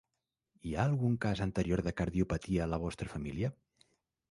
Hi ha algun cas anterior de cardiopatia a la vostra família?